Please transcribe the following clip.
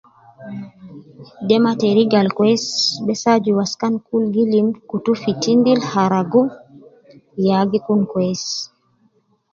De maa teriga Al kweis Bess aju waskan kulu gi limu kutu fi tindili haragu